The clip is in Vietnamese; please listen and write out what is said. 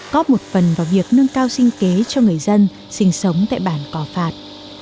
cóp một phần vào việc nâng cao sinh kế cho người dân sinh sống tại bản cò phạt